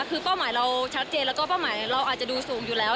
คือเป้าหมายเราชัดเจนแล้วก็เป้าหมายเราอาจจะดูสูงอยู่แล้ว